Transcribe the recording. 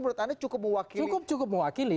menurut anda cukup mewakili cukup cukup mewakili